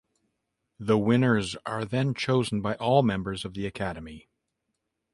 The winners are then chosen by all members of the Academy.